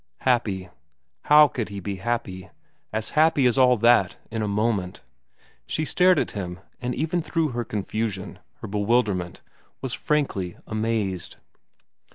Happy ! How could he be happy, as happy as that all in a moment ? She stared at him, and even through her confusion, her bewilderment, was frankly amazed.